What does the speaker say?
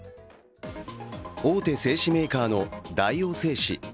大手製紙メーカーの大王製紙。